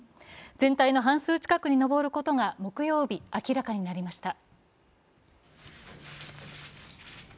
全体の半数近くに上ることが木曜日明らかになりました。